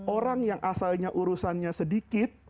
orang yang asalnya urusannya sedikit